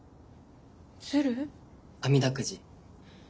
あみだくじ。